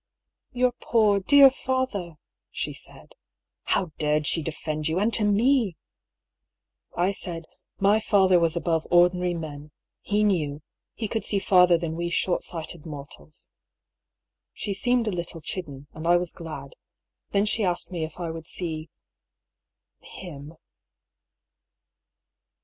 " Your poor, dear father !" she said. How dared she defend you, and to me I I said :" My father was above ordinary men. He knew — he could see farther than we short sighted mor tals." She seemed a little chidden, and I was glad. Then she asked me if I would see — him.